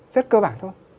rất cơ bản thôi